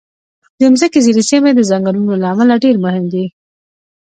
د مځکې ځینې سیمې د ځنګلونو له امله ډېر مهم دي.